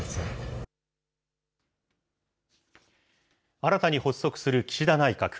新たに発足する岸田内閣。